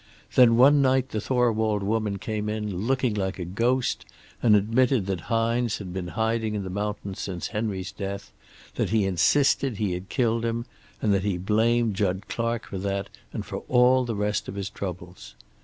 Then one night the Thorwald woman came in, looking like a ghost, and admitted that Hines had been hiding in the mountains since Henry's death, that he insisted he had killed him, and that he blamed Jud Clark for that, and for all the rest of his troubles.